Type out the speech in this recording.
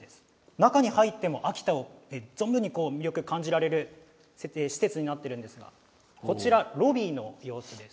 中にはいっても秋田のぞんぶんに魅力を感じられる施設になっているんですがこちら、ロビーの様子です。